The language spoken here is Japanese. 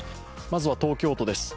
まずは東京都です。